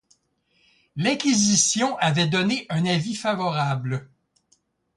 L'Inquisition avait donné un avis favorable.